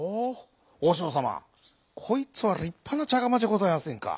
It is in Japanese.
おしょうさまこいつはりっぱなちゃがまじゃございませんか。